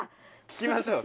聞きましょう。